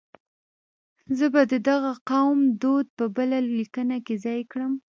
زه به د دغه قوم دود په بله لیکنه کې ځای کړم.